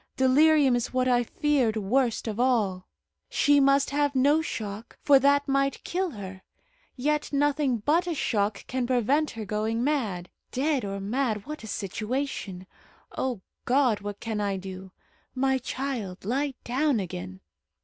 Delirium is what I feared worst of all. She must have no shock, for that might kill her; yet nothing but a shock can prevent her going mad. Dead or mad! what a situation. O God! what can I do? My child, lie down again."